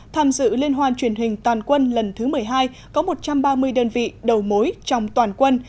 tham dự liên hoan truyền hình toàn quân lần thứ một mươi hai có một trăm ba mươi đơn vị đầu mối trong toàn quân